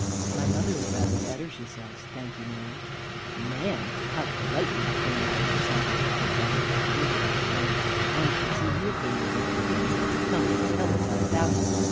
"My mother is rather better, she says; thank you, ma'am." "'Ma'am, how polite we have grown all of a sudden!" said Bab, winking at her maid. "One can see you have been in good company. Come, tell us all about it."